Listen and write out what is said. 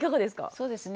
そうですね